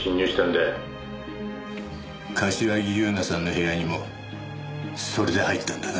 柏木優奈さんの部屋にもそれで入ったんだな？